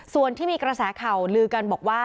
ส่วนที่มีกระแสข่าวลือกันบอกว่า